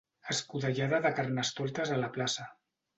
Escudellada de Carnestoltes a la plaça.